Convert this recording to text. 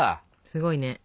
すごいね。